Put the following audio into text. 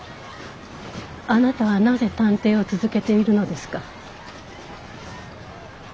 あなたはなぜ探偵を続けているのですか？